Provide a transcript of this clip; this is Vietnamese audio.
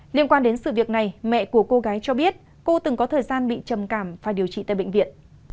liên quan đến sự việc này mẹ của cô gái cho biết cô từng có thời gian bị trầm cảm phải điều trị tại bệnh viện